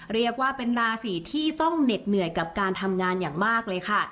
เรียกว่าเป็นราศีที่ต้องเหน็ดเหนื่อยกับการทำงานอย่างมากเลยค่ะ